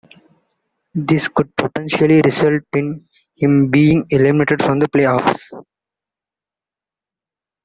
This could potentially result in him being eliminated from the playoffs.